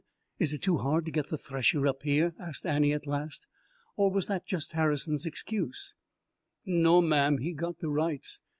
Is it too hard to get the thresher up here?" asked Annie at last. "Or was that just Harrison's excuse?" "No, ma'am; he's got de rights.